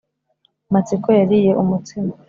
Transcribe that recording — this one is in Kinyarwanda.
Matsiko yariye umutsima.